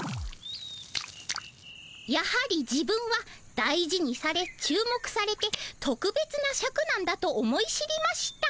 「やはり自分は大事にされ注目されてとくべつなシャクなんだと思い知りました。